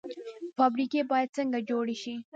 فابریکې باید څنګه جوړې شي؟